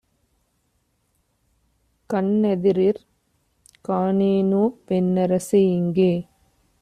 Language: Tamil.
கண்ணெதிரிற் காணேனோ பெண்ணரசை யிங்கே?